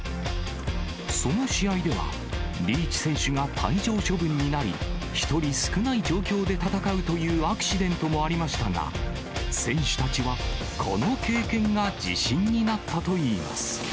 その試合では、リーチ選手が退場処分になり、１人少ない状況で戦うというアクシデントもありましたが、選手たちはこの経験が自信になったといいます。